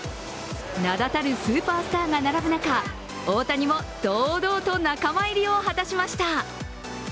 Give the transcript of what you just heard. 名だたるスーパースターが並ぶ中、大谷も堂々と仲間入りを果たしました。